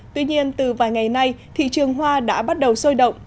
tuy nhiên từ vài ngày nay thị trường hoa đã bắt đầu sôi động